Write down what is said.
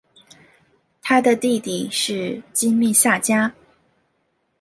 他的弟弟是金密萨加。